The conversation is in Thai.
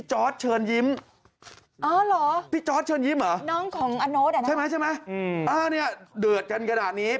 เฮ้เนี่ยเดือดกันขนาดนี้